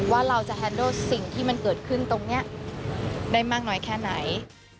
ว่าเราจะแฮนโดสิ่งที่มันเกิดขึ้นตรงนี้ได้มากน้อยแค่ไหน